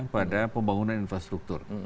pada pembangunan infrastruktur